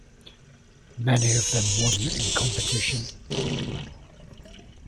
Many of them won in competition.